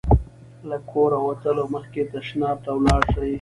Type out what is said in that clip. له کوره وتلو مخکې تشناب ته ولاړ شئ.